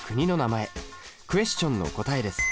クエスチョンの答えです。